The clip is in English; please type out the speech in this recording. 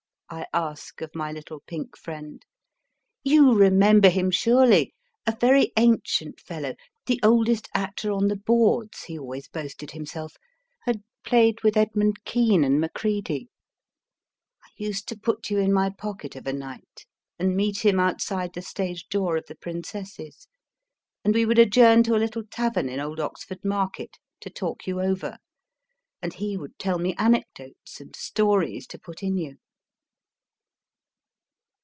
I ask of my little pink friend ; you remember him surely a very ancient fellow, the oldest actor on the boards he always boasted himself had played with Edmund Kean and Mac read} . I used to put you in my pocket of a night and meet him outside the stage door of the Princess s ; and we would adjourn to a little tavern in old Oxford Market to talk you over, and he would tell me anecdotes and stories to put in you.